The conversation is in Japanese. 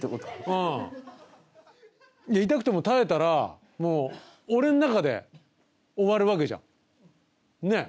うん痛くても耐えたらもう俺の中で終わるわけじゃんねえ？